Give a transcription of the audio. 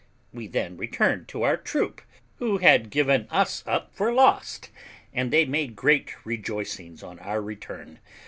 We then returned to our troop, who had given us up for lost, and they made great rejoicings on our return.